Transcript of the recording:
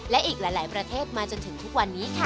และอีกหลายประเทศมาจนถึงทุกวันนี้ค่ะ